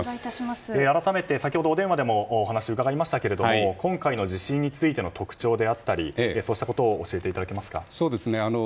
改めて先ほど、お電話でもお話を伺いましたけど今回の地震についての特徴であったりを教えていただけますか。